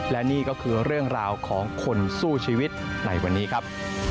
และนี่ก็คือเรื่องราวของคนสู้ชีวิตในวันนี้ครับ